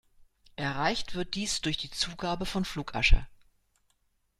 Erreicht wird dies durch die Zugabe von Flugasche.